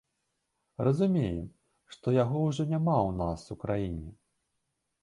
Разумеем, што яго ўжо няма ў нас у краіне.